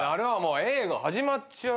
映画始まっちゃう。